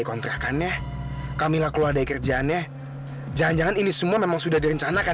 iya kakak allah tuh sembunyiin dia dari gua